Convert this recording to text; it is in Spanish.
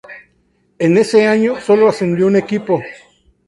En ese año, sólo ascendió un equipo.